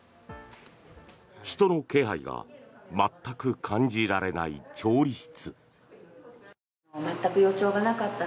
人の気配が全く感じられない調理室。